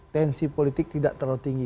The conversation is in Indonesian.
tensi politik tidak terlalu tinggi